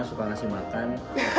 suka ngasih makan